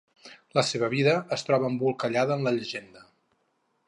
La seva vida es troba embolcallada en la llegenda.